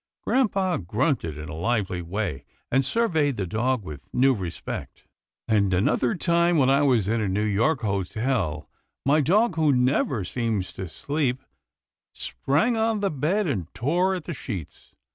Grampa grunted in a lively way, and surveyed the dog with new respect. 100 'TILDA JANE'S ORPHANS " And another time, when I was in a New York hotel, my dog, who never seems to sleep, sprang on the bed and tore at the sheets.